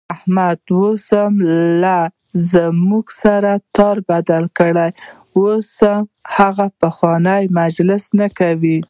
احمد اوس له موږ سره تار بدل کړی، اوس هغه پخوانی مجلس نه کوي.